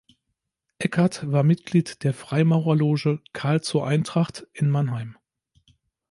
Eckardt war Mitglied der Freimaurerloge "Carl zur Eintracht" in Mannheim.